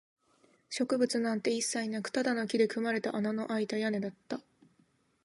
植物なんて一切なく、ただの木で組まれた穴のあいた屋根だった